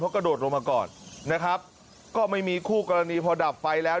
กระโดดลงมาก่อนนะครับก็ไม่มีคู่กรณีพอดับไฟแล้ว